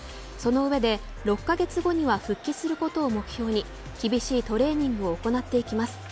その上で、６カ月後には復帰することを目標に厳しいトレーニングを行っていきます。